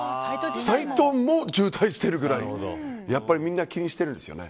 サイトも渋滞してるぐらいやっぱりみんな気にしてるんですよね。